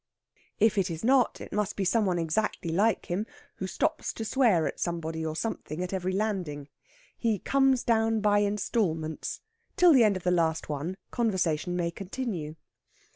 If it is not, it must be some one exactly like him, who stops to swear at somebody or something at every landing. He comes down by instalments. Till the end of the last one, conversation may continue.